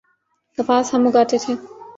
کپاس ہم اگاتے تھے۔